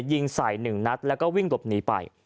ยิงใส่๑นัดแล้วก็วิ่งหลบหนีไป